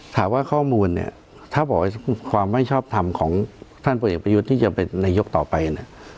ถามว่าข้อมูลเนี่ยถ้าบอกว่าความไม่ชอบทำของท่านพลเอกประยุทธ์ที่จะเป็นนายกต่อไปเนี่ย